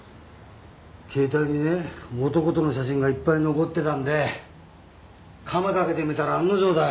携帯にね男との写真がいっぱい残ってたんでカマかけてみたら案の定だよ。